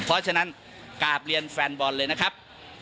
เพราะฉะนั้นกราบเรียนแฟนบอลเลยนะครับ